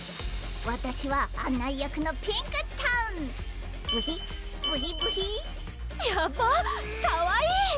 わたしは案内役のピンクットンブヒブヒブヒやばかわいい！